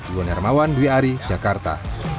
iwan hermawan dwi ari jakarta